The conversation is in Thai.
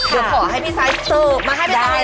เดี๋ยวขอให้พี่ซายเชิงมะให้ไปต่อในน้อยได้ไหม